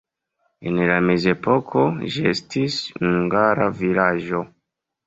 En la mezepoko ĝi estis hungara vilaĝo.